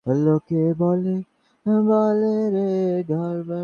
তুমি মানুষটাও ছোট, নতুন সংসারে জিনিসপত্রও তোমার কম, এতেই তোমার কুলিয়ে যাবে।